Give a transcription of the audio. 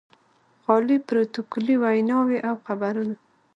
خالي پروتوکولي ویناوې او خبرونه.